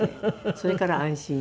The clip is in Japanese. それから安心して。